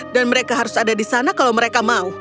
dan mereka harus ada di sana kalau mereka mau